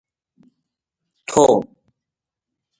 تھو